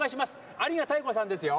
ありがたえこさんですよ。